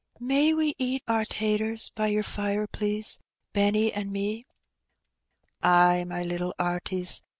''May we eat our taters by your fire, please — Benny an' me?" "Ay, ay, my little 'arties.